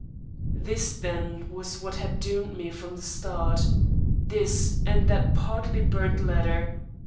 This, then, was what had doomed me from the start; this, and that partly burned letter.